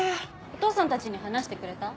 お義父さんたちに話してくれた？